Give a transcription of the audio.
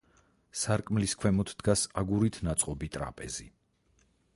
სარკმლის ქვემოთ დგას აგურით ნაწყობი ტრაპეზი.